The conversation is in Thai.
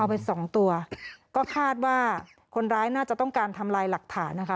ไปสองตัวก็คาดว่าคนร้ายน่าจะต้องการทำลายหลักฐานนะคะ